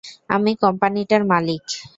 আমি কোম্পানিটার মালিক।